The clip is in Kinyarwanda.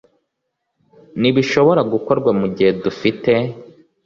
Ntibishobora gukorwa mugihe dufite.